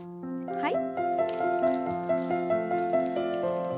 はい。